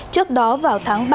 trước đó vào tháng ba